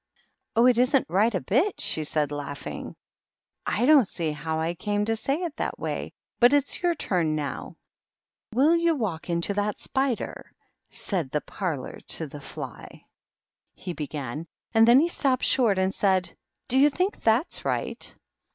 " Oh, it isn't right a bit," she said, laughing. " I don't see how I came to say it that way. But it's your turn now." "^ Will you walk into that spider f said the parlor to the fly;' THE MOCK TURTLE. 219 he began; and then he stopped short, and said, "Do you think that's right?"